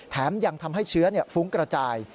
ยังทำให้เชื้อฟุ้งกระจาย